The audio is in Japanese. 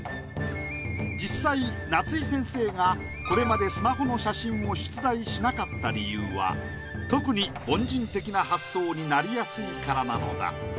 実際夏井先生がこれまでスマホの写真を出題しなかった理由は特に凡人的な発想になりやすいからなのだ。